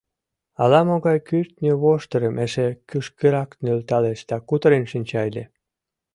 Ала-могай кӱртньӧ воштырым эше кӱшкырак нӧлталеш да кутырен шинча ыле.